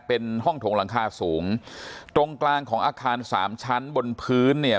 เป็นห้องถงหลังคาสูงตรงกลางของอาคารสามชั้นบนพื้นเนี่ย